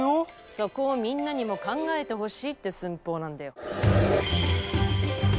そこをみんなにも考えてほしいって寸法なんだよ！